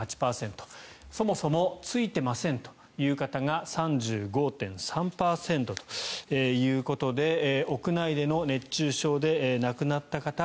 そもそもついてませんという方が３５．３％ということで屋内での熱中症で亡くなった方